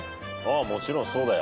もちろんそうだよ。